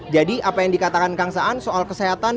jadi apa yang dikatakan kang saan soal kesehatan